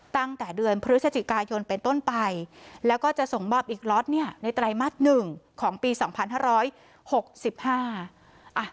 ตั้งแต่เดือนพฤศจิกายนเป็นต้นไปแล้วก็จะส่งมอบอีกล็อตเนี่ยในไตรมาสหนึ่งของปีสองพันห้าร้อยหกสิบห้าอ่ะ